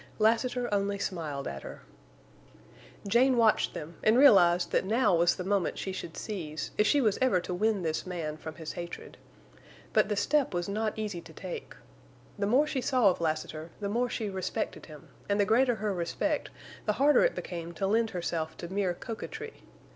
Lassiter only smiled at her. Jane watched them, and realized that now was the moment she should seize, if she was ever to win this man from his hatred. But the step was not easy to take. The more she saw of Lassiter the more she respected him, and the greater her respect the harder it became to lend herself to mere coquetry.